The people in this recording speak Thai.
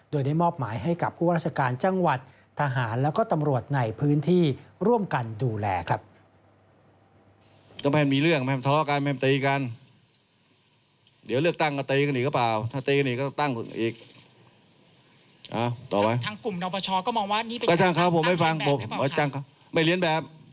โดยได้มอบหมายให้กับผู้ว่าราชการจังหวัดทหารแล้วก็ตำรวจในพื้นที่ร่วมกันดูแลครับ